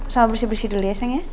soal bersih bersih dulu ya sayang ya